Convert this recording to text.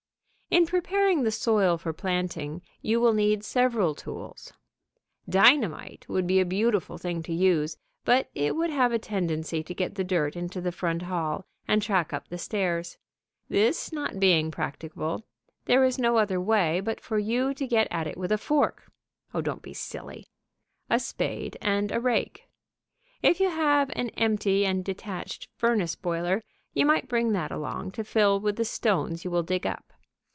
In preparing the soil for planting, you will need several tools. Dynamite would be a beautiful thing to use, but it would have a tendency to get the dirt into the front hall and track up the stairs. This not being practicable, there is no other way but for you to get at it with a fork (oh, don' be silly), a spade, and a rake. If you have an empty and detached furnace boiler, you might bring that along to fill with the stones you will dig up.